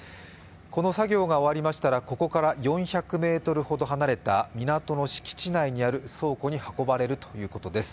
この作業が終わりましたら、ここから４００ｍほど離れた港の敷地内にある倉庫に運ばれるということです。